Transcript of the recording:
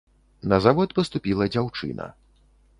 На завод паступіла дзяўчына.